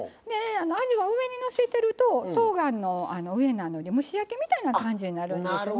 あじは上にのせてるととうがんの上なので蒸し焼きみたいな感じになるんですよね。